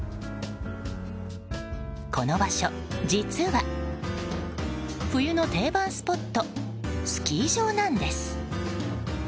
この場所、実は冬の定番スポットスキー場なんです。